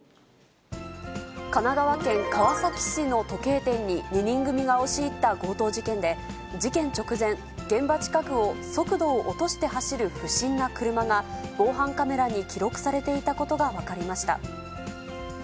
神奈川県川崎市の時計店に２人組が押し入った強盗事件で、事件直前、現場近くを速度を落として走る不審な車が、防犯カメラに記録されていたことが分かりました。